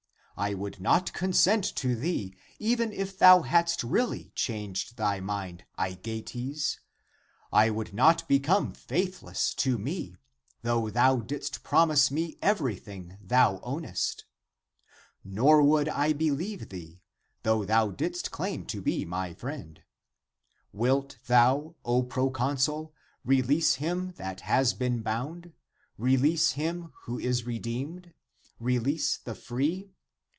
I would not consent to thee even if thou hadst really changed thy mind, Aegeates. <I would not become faithless to me, though thou didst promise me everything thou ownest. > Nor would I believe thee, though thou didst claim to be my friend. Wilt thou, O proconsul, release him that has been bound? release him, who is redeemed? re lease the free?